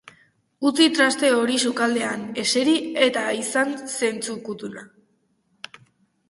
Utzi traste hori sukaldean, eseri, eta izan zentzuduna.